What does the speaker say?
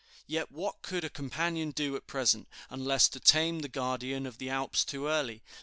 Yet what could a companion do at present, unless to tame the guardian of the Alps too early?